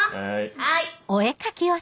はい。